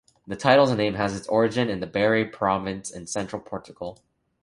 The title's name has its origins in the Beira province in central Portugal.